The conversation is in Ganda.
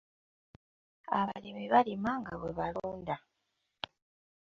Abalimi balima nga bwe balunda.